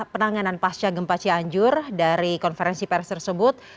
penanganan pasca gempa cianjur dari konferensi pers tersebut